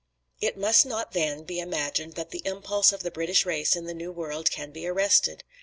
"It must not, then, be imagined that the impulse of the British race in the New World can be arrested.